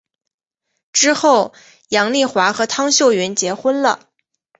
之后杨棣华和汤秀云结婚了。